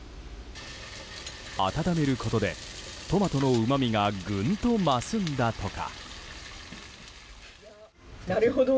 温めることで、トマトのうまみがぐんと増すんだとか。